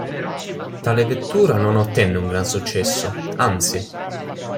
Tale vettura non ottenne un gran successo, anzi.